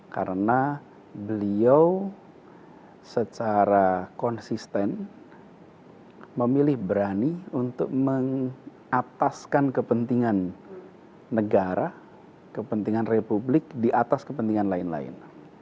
karena beliau secara konsisten memilih berani untuk mengataskan kepentingan negara kepentingan republik di atas kepentingan lain lain